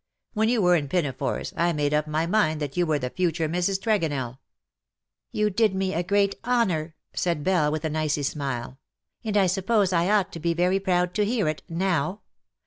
When you were in pinafores T made up my mind that you were the future Mrs. Tregonell.'' " You did me a great honour/" said Belle, with an icy smile, '^ and I suppose I ought to be very proud to hear it — now.